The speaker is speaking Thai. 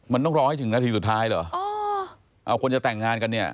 มันต้องรอให้ถึงนาทีสุดท้ายเหรอเอาคนจะแต่งงานกันเนี่ย